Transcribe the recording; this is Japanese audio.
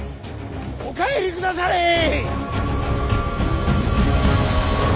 お帰りくだされ！